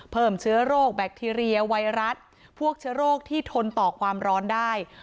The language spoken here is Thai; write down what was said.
เพิ่มเชื้อโรคแบคทีเรียไวรัสพวกเชื้อโรคที่ทนต่อความร้อนได้